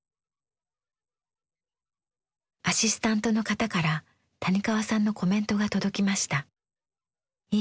アシスタントの方から谷川さんのコメントが届きました。